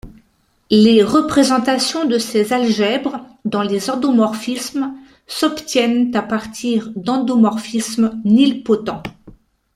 Les représentations de ces algèbres dans les endomorphismes s'obtiennent à partir d'endomorphismes nilpotents.